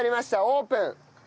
オープン。